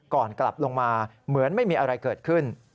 ก่อนกลับลงมาเหมือนไม่มีอะไรเกิดขึ้น